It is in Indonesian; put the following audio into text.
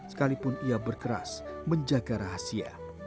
sekalipun ia berkeras menjaga rahasia